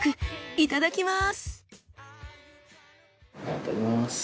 いただきます。